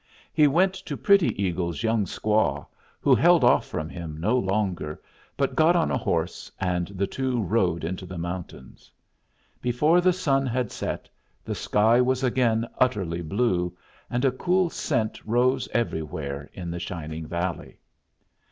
He went to Pretty Eagle's young squaw, who held off from him no longer, but got on a horse, and the two rode into the mountains. Before the sun had set, the sky was again utterly blue, and a cool scent rose everywhere in the shining valley.